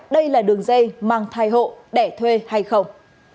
đây là đường dây mang thai hộ đẻ thuê hay không